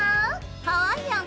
ハワイアン。